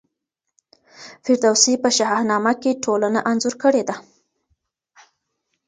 فردوسي په شاهنامه کي ټولنه انځور کړې ده.